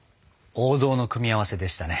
王道の組み合わせでしたね。